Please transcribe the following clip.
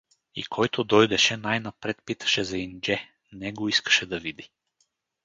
И който дойдеше, най-напред питаше за Индже, него искаше да види.